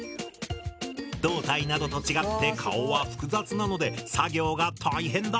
胴体などと違って顔は複雑なので作業が大変だ。